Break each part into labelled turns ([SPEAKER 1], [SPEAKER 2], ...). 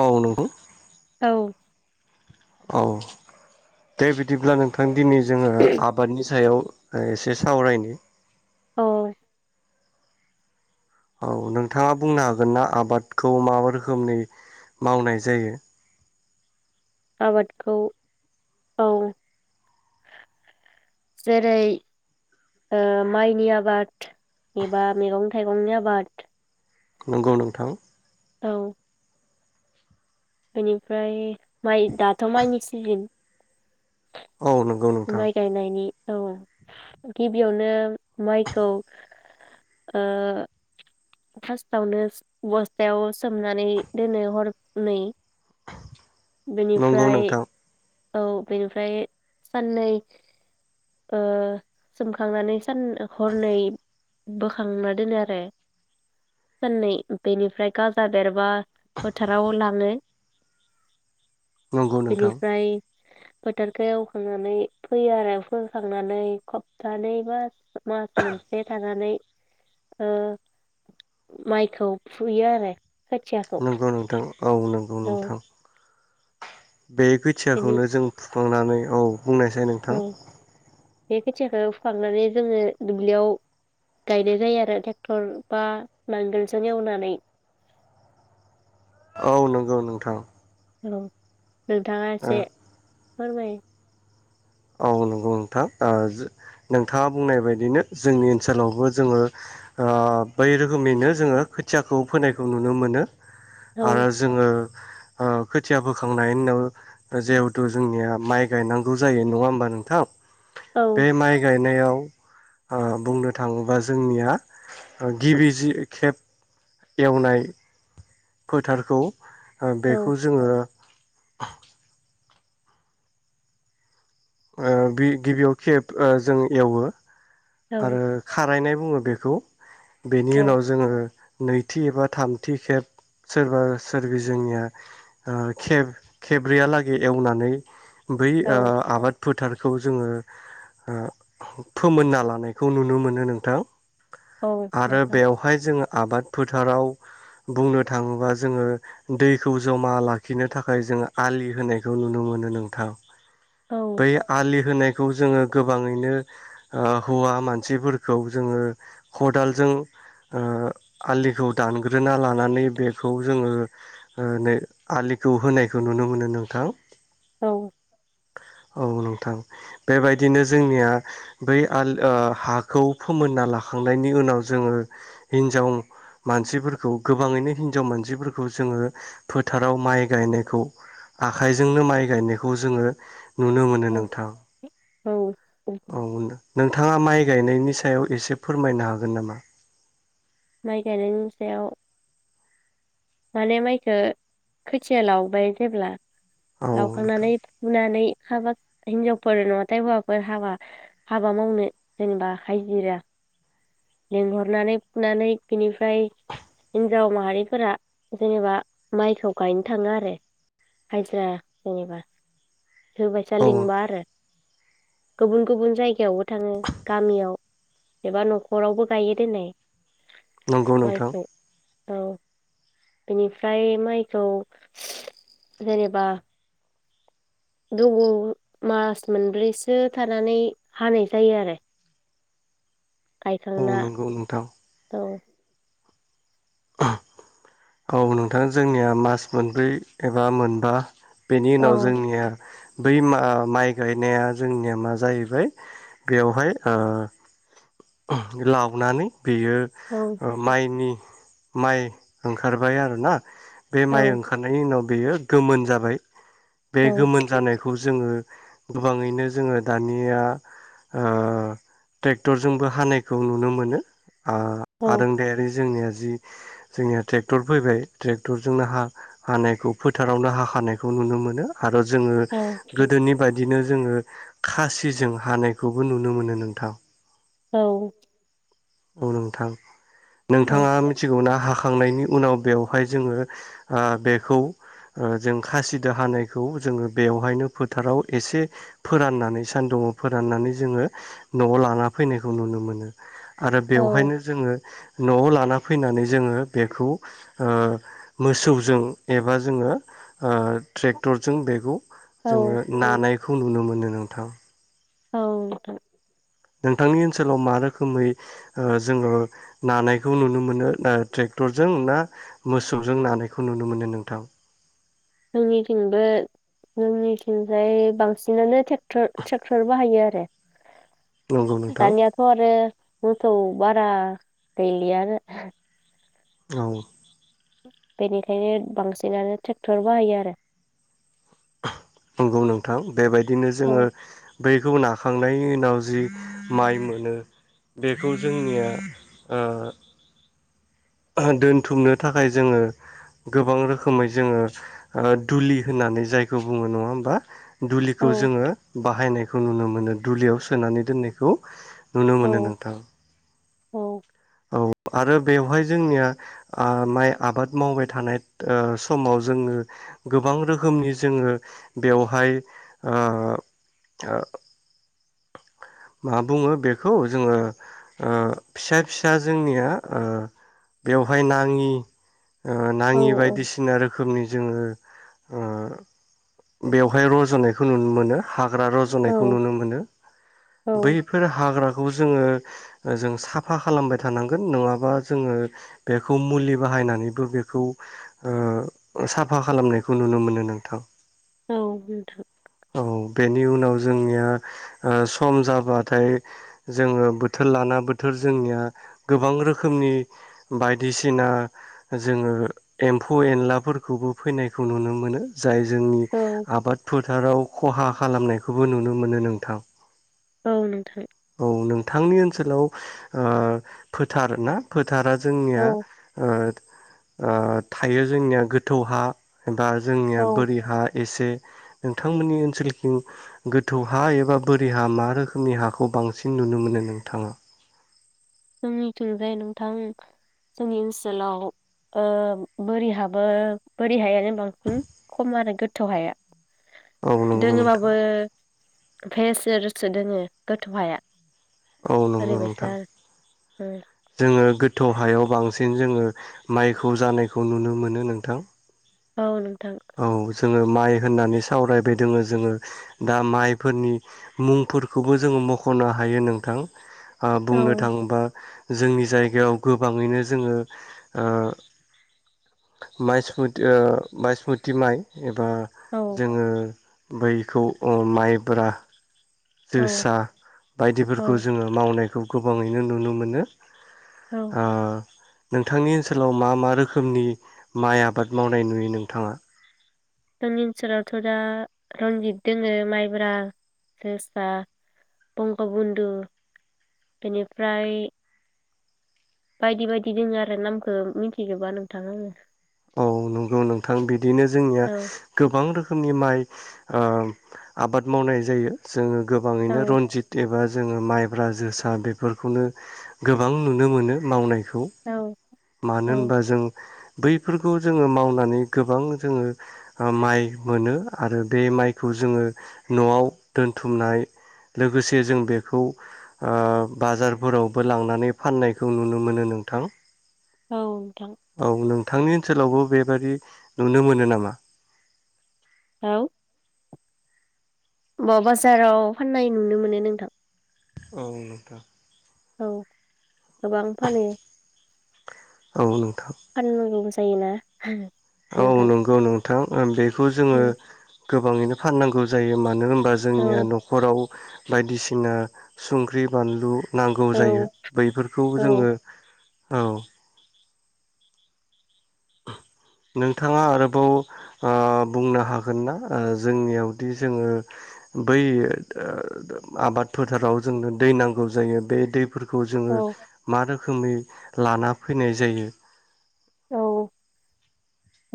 [SPEAKER 1] औ नंगौ
[SPEAKER 2] औ
[SPEAKER 1] औ दे बिदिब्ला नोंथां दिनै जोङो आबादनि सायाव एसे सावरायनि
[SPEAKER 2] औ
[SPEAKER 1] औ नोंथाङा बुंनो हागोन ना आबादखौ मा रोखोमनि मावनाय जायो?
[SPEAKER 2] आबादखौ औ जेरै माइनि आबाद एबा मैगं थाइगंनि आबाद
[SPEAKER 1] नंगौ नोंथां
[SPEAKER 2] औ बेनिफ्राय माइ दाथ' माइनि सिजिन
[SPEAKER 1] औ नंगौ नोंथां
[SPEAKER 2] माइ गायनायनि औ गिबियावनो माइखौ ओ फार्च्टआवनो बस्थायावस सोमनानै दोननो हर नै
[SPEAKER 1] नंगौ
[SPEAKER 2] बेनिफ्राय
[SPEAKER 1] नोंथां
[SPEAKER 2] औ बेनिफ्राय साननै ओ सोमखांनानै सान हरनै बोखांना दोनो आरो साननै बेनिफ्राय गाजा बेरबा फोथाराव लाङो
[SPEAKER 1] नंगौ नोंथां
[SPEAKER 2] फोथोरखौ एवखांनानै फोयो आरो फोखांनानै हबथानै बा मास मोनसे थानानै ओ माइखौ फुयो आरो। खोथियाखौ
[SPEAKER 1] नंगौ नोंथां औ नों ओं
[SPEAKER 2] औ
[SPEAKER 1] नोंथां। बे
[SPEAKER 2] बेनि
[SPEAKER 1] खोथियाखौनो जों बुंनानै औ। बुंनायसै नोंथां।
[SPEAKER 2] औ बे खोथियाखौ फुखांनानै जोङो दुब्लियाव गायनाय जायो आरो ट्रेक्टर बा नांगोलजों एवनानै।
[SPEAKER 1] औ नोंगौ नोंथां।
[SPEAKER 2] औ नोंथाङा एसे फोरमाय।
[SPEAKER 1] औ नंगौ नोंथां ओ नोंथाङा बुंनाय बायदिनो जोंनि ओनसोलावबो जोङो ओ बै रोखोमनिनो जोङो खोथियाखौ फोनायखौ नुनो मोनो।
[SPEAKER 2] औ
[SPEAKER 1] आरो जोङो ओ खोथिया बोखांनाय होनो जिहेथु जोंनिया माइ गायनांगौ जायो। नङा होमबा नोंथां।
[SPEAKER 2] औ
[SPEAKER 1] बे माइ गाय नायाव ओ बुंनो थाङोबा जोंनिया गिबि जि खेब। एवनाय फोथारखौ। ओ
[SPEAKER 2] औ
[SPEAKER 1] बेखौ जोङो [inaudible] ओ बि गिबियाव खेब ओ जों एवो।
[SPEAKER 2] औ
[SPEAKER 1] आरो खारायनायबो बुङो बेखौ। बेनि
[SPEAKER 2] औ
[SPEAKER 1] उनाव जोङो नैथि एबा थामथि खेब सोरबा सोरबि जोंनियाब ओ खेब खेब्रैयालागै एवनानै बै
[SPEAKER 2] औ
[SPEAKER 1] ओ आबाद। फोथारखौ जोङो ओ फोमोनना ला नायखौ नुनो मोनो नोंथां।
[SPEAKER 2] औ
[SPEAKER 1] आरो
[SPEAKER 2] नोंथां
[SPEAKER 1] बेवहाय जोङो आबाद फोथाराव बुंनो थाङोबा जोङो दैखौ जमा लाखिनो थाखाय जोङो आलि होनायखौ नुनो मोनो नोंथां।
[SPEAKER 2] औ
[SPEAKER 1] बै आलि होनाय बेखौ जोङो गोबाङैनो ओ हौवा मानसिफोरखौ जोङो खदालजों ओ आलिखौ दानग्रोना लानानै बेखौ जोङो ओ नै आलिखौ होनायखौ नुनो मोनो नोंथां।
[SPEAKER 2] औ
[SPEAKER 1] औ नोंथां बेबायदिनो जोंनिया बै आल हाखौ फोमोनना लाखांनायनि उनाव जोङो हिनजाव मानसिफोरखौ गोबाङैनो हिनजाव मानसिफोरखौ जोङो फोथाराव माइ गायनायखौ आखाइजोंनो माइ गायनायखौ जोङो नुनो मोनो
[SPEAKER 2] औ
[SPEAKER 1] नोंथां
[SPEAKER 2] औ
[SPEAKER 1] औ। नोंथाङा माइ गायनायनि सायाव एसे फोरमायनो हागोन नामा?
[SPEAKER 2] माइ गायनायनि सायाव माने माइखो खोथिया लावबाय जेब्ला
[SPEAKER 1] औ नोंथां
[SPEAKER 2] लावखांनानै फुनानै खाबा हिनजावफोर नङाथाय हौवाफोर हाबा, हाबा मावनो जेनेबा हायजिरा लेंहरनानै फुनानै बेनि फ्राय हिन जाव माहारिफोरा जेनेबा माइखौ गायनो थाङो आरो हाजिरा जेनेबा। होबायसा
[SPEAKER 1] औ
[SPEAKER 2] लिंबा आरो। गुबुन गुबुन जायगायावबो थाङो गामियाव एबा न' रावबो गायो दोनै।
[SPEAKER 1] नोंगौ नोंथां।
[SPEAKER 2] औ बेनिफ्राय माइखौ जेनेबा [unintelligible] मास मोनब्रैसो थानानै हानाय जायो आरो।
[SPEAKER 1] औ
[SPEAKER 2] गायखांना
[SPEAKER 1] नंगौ नोंथां
[SPEAKER 2] औ।
[SPEAKER 1] औ नोंथां जोंनिया मास मोनब्रै एबा मोनबा बेनि उनाव
[SPEAKER 2] औ
[SPEAKER 1] जोंनिया बै मा माइ गायनाया जोंनिया मा जाहैबाय बेयावहाय ओ लावनानै बेयो
[SPEAKER 2] औ
[SPEAKER 1] ओ माइनि माइ ओंखारबाय आरो ना। बे
[SPEAKER 2] औ
[SPEAKER 1] माइ ओंखारनायनि उनाव बेयो गोमोन जाबाय। बे गोमोन जानायखौ जोङो गोबाङैनो जोङो दानिया ओ ट्रेक्टर जोंबो हानायखौ नुनो मोनो। आ
[SPEAKER 2] औ
[SPEAKER 1] आरोंदायारि जोंनिया जि जोंनिया ट्रेक्टर फैबाय ट्रेक्टरजोंनो हा हानायखौ फोथारावनो हा खानायखौ नुनो मोनो। आरो जोङो
[SPEAKER 2] औ
[SPEAKER 1] गोदोनि बाय दिनो जोङो खासिजों हानायखौबो नुनो मोनो नोंथां।
[SPEAKER 2] औ
[SPEAKER 1] औ नोंथां। नोंथाङा मिथिगौ ना हा खांनायनि उनाव बेवहाय जोङो ओ बेखौ ओ जों खासिदो हानायखौ जोङो बेवहायनो फोथाराव एसे फोराननानै सान्दुङाव फोराननानै जोङो न'आव लाना फैनायखौ नुनो मोनो। आरो बेवहायनो जोङो न'आव लाना फैनानै जोङो बेखौ ओ मोसौजों एबा जोङो ओ ट्रेक्टरजों बेखौ
[SPEAKER 2] औ
[SPEAKER 1] जोङो नानायखौ नुनो मोनो। नोंथां
[SPEAKER 2] औ नोंथां
[SPEAKER 1] नोंथांनि ओनसोलाव मा रोखोमै ओ जोङो नानायखौ नुनो मोनो ना ट्रेक्टरजों ना मोसौजों नानायखौ नुनो मोनो नोंथां?
[SPEAKER 2] जोंनिथिंबो जोंनिथिंजाय बांसिनानो ट्रेक्टर ट्रेक्टर बाहायो आरो
[SPEAKER 1] नंगौ नोंथां
[SPEAKER 2] दानिया थ' आरो मोसौ बारा गैलिया आरो
[SPEAKER 1] औ
[SPEAKER 2] बेनिखायनो बांसिनानो ट्रेक्टर बाहायो आरो
[SPEAKER 1] नंगौ नोंथां बेबायदिनो
[SPEAKER 2] औ
[SPEAKER 1] जोङो बैखौ नाखांनायनि उनाव जि माइ मोनो बेखौ जोंनिया ओ ओह दोनथुमनो थाखाय जोङो गोबां रोखोमै जोङो ओ दुलि होननानै जायखौ बुङो नङा होमबा
[SPEAKER 2] औ
[SPEAKER 1] दुलिखौ जोङो बाहायनाय खौ नुनो मोनो दुलियाव सोनानै दोननायखौ नुनो
[SPEAKER 2] औ
[SPEAKER 1] मोनो नोंथां।
[SPEAKER 2] औ
[SPEAKER 1] औ आरो बेवहाय जोंनिया ओ माइ आबाद मावबाय थानाय ओ समाव जोङो गोबां रोखोमनि जोङो बेवहाय ओ आ मा बुङो बेखौ जोङो ओ फिसा फिसा जोंनिया ओ बेवहाय नाङि ओ
[SPEAKER 2] औ
[SPEAKER 1] नाङि बायदिसिना रोखोमनि जोङो ओ बेवहाय रज'नायखौ नुनो मोनो हा ग्रा
[SPEAKER 2] औ
[SPEAKER 1] रज'नायखौ नुनो मोनो।
[SPEAKER 2] औ
[SPEAKER 1] बैफोर हाग्राखौ जोङो ओ जों साफा खालामबाय थानांगोन नङाबा जोङो बेखौ मुलि बाहायनानैबो बेखौ ओ साफा खालामनायखौ नुनो मोनो नोंथां।
[SPEAKER 2] औ नोंथां।
[SPEAKER 1] औ बेनि उनाव जोंनिया ओ सम जाबा थाय जोङो बोथोर लाना बोथोर जोंनिया गोबां रोखोमनि बायदिसिना जोङो एम्फौ-एनलाफोरखौबो फैनायखौ नुनो मोनो। जाय जोंनि
[SPEAKER 2] औ
[SPEAKER 1] आबाद फोथाराव खहा खालामनायखौबो नुनो मोनो नोंथां।
[SPEAKER 2] औ नोंथां।
[SPEAKER 1] थांनि ओनसोलाव ओ फोथार ना फो थारा
[SPEAKER 2] औ
[SPEAKER 1] जोंनिया ओ ओ थायो जोंनिया गोथौ हा बा जोंनिया
[SPEAKER 2] औ
[SPEAKER 1] बोरि हा एसे नोंथांमोननि ओनसोलथिं गोथौ हा एबा बोरि हा मा रो खोमनि हाखौ बांसिन नुनो मोनो नोंथाङा
[SPEAKER 2] जोंनिथिंजाय नोंथां जोंनि ओनसोलाव ओ बोरि हाबो बोरि हायानो बांसिन खम आरो गोथौ हाया
[SPEAKER 1] औ नंगौ नोंथां
[SPEAKER 2] दोङोबाबो [unintelligible] दोङो गोथौहाया
[SPEAKER 1] औ नंगौ नोंथां
[SPEAKER 2] ओम
[SPEAKER 1] जोङो गोथौ हायाव बांसिन जोङो माइखौ जानायखौ नुनो मोनो नोंथां
[SPEAKER 2] औ नों
[SPEAKER 1] औ जोङो माइ होननानै सावरायबाय दोङो जोङो दा माइफोरनि मुंफोरखौबो जोङो मख'नो हायो नोंथां ओ
[SPEAKER 2] औ
[SPEAKER 1] बुंनो थाङोबा जोंनि जायगायाव गोबाङैनो जोङो ओ माइसमुत ओ बाइसमुत थि माइ एब बा
[SPEAKER 2] औ
[SPEAKER 1] जोङो बैखौ अ माइब्रा
[SPEAKER 2] औ
[SPEAKER 1] जोसा
[SPEAKER 2] औ
[SPEAKER 1] बायदिफोरखौ जोङो मावनायखौ गोबाङैनो नुनो मोनो
[SPEAKER 2] औ
[SPEAKER 1] ओ नोंथांनि ओनसोलाव मा मा रोखोमनि माइ आबाद मावनाय नुयो नोंथाङा
[SPEAKER 2] जोंनि ओनसोलावथ' दा रनजित दोङो माइब्रा, जोसा, बंगबन्धु बेनिफ्राय बायदि बायदि दोङो आरो नामखौ मिथिजोबा नोंथां आङो
[SPEAKER 1] औ नंगौ नोंथां बिदिनो जोंनिया
[SPEAKER 2] औ
[SPEAKER 1] गोबां रोख खोमनि माइ ओ आबाद मावनाय जायो जोङो गोबाङैनो
[SPEAKER 2] औ
[SPEAKER 1] रनजित एबा जोङो माइब्रा, जोसा बेफोरखौनो गोबां नुनो मोनो मावनायख खौ
[SPEAKER 2] औ
[SPEAKER 1] मानो
[SPEAKER 2] औ
[SPEAKER 1] होनबा जों बै फोरखौ जोङो मावनानै गोबां जोङो माइ मोनो आरो बे माइखौ जोङो न'आव दोनथुमनाय लोगोसे जों बेखौ ओ बाजारफोरावबो लांनानै फाननायखौ नुनो मोनो नोंथां
[SPEAKER 2] औ नोंथां
[SPEAKER 1] थांनि ओनसोलावबो बेबादि नुनो मोनो नामा?
[SPEAKER 2] औ बा बाजाराव फाननाय नुनो मोनो नोंथां।
[SPEAKER 1] औ नोंथां
[SPEAKER 2] औ गोबां फानो
[SPEAKER 1] औ नों
[SPEAKER 2] फाननांगौबो जायोना
[SPEAKER 1] औ
[SPEAKER 2] नोंथां
[SPEAKER 1] नंगौ नोंथां ओ बेखौ
[SPEAKER 2] औ
[SPEAKER 1] जोङो गोबाङैनो फाननांगौ जायो मानो होन बा जोंनिया न'खराव बायदिसिना संख्रि बानलु नांगौ जायो
[SPEAKER 2] औ
[SPEAKER 1] बैफोरखौ
[SPEAKER 2] औ
[SPEAKER 1] जोङो औ नोंथाङा आरोबाव ओ बुंनो हागोन ना जोंनियावदि जोङो बै आबाद फोथाराव जोंनो दै नांगौ जायो बे दैफोर खौ जोङो
[SPEAKER 2] औ
[SPEAKER 1] मा रोखोम रोखोमै लाना फैनाय जायो
[SPEAKER 2] औ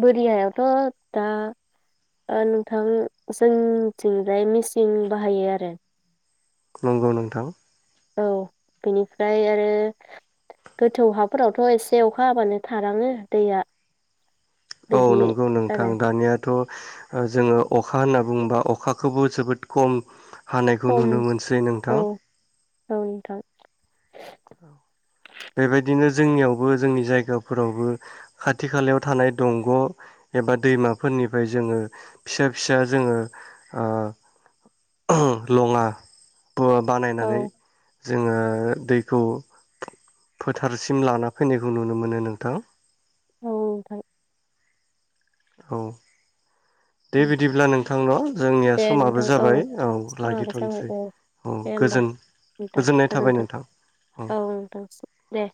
[SPEAKER 2] बोरि हायावथ' दा ओ नोंथां जोंथिंजाय मेचिन बाहायो आरो
[SPEAKER 1] नंगौ नोंथां
[SPEAKER 2] औ बेनिफ्राय आरो गोथौ हाफोरावथ' एसे अखा हाबानो थालाङो दैया
[SPEAKER 1] औ
[SPEAKER 2] बिदि
[SPEAKER 1] नंगौ नोंथां
[SPEAKER 2] आरो
[SPEAKER 1] दानिया थ जोङो अखा होनना बुङोबा अखाखौबो जोबोद खम हानायखौ
[SPEAKER 2] खम
[SPEAKER 1] नुनो मोनसै
[SPEAKER 2] औ
[SPEAKER 1] नोंथां
[SPEAKER 2] -औ नोंथां
[SPEAKER 1] बेबायदिनो जोंनियावबो जोंनि जायगाफोरावबो खाथि खालायाव थानाय दंग' एबा दैमाफोरनिफ्राय जोङो फिसा- फिसा जोङो ओ [unintelligible] लङा बुव
[SPEAKER 2] औ
[SPEAKER 1] बानायनानै जोङो दैखौ फोथारसिम लाना फैनायखौ नुनो मोनो नोंथां
[SPEAKER 2] औ नोंथां
[SPEAKER 1] औ दे
[SPEAKER 2] उम
[SPEAKER 1] बिदिब्ला नोंथांनाव जोंनिया
[SPEAKER 2] दे
[SPEAKER 1] समाबो
[SPEAKER 2] नोंथां
[SPEAKER 1] जाबाय औ
[SPEAKER 2] समाबो जाबाय
[SPEAKER 1] लागिथ'सै
[SPEAKER 2] औ
[SPEAKER 1] औ
[SPEAKER 2] दे होमबा
[SPEAKER 1] गोजोन
[SPEAKER 2] नोंथां
[SPEAKER 1] गोजोननाय थाबाय
[SPEAKER 2] गोजोन्थों
[SPEAKER 1] नोंथां औ
[SPEAKER 2] नोंथांसिम दे।